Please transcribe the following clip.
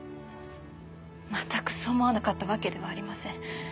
全くそう思わなかったわけではありません。